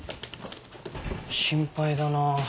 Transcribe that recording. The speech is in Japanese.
心配だな。